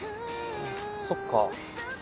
そっか。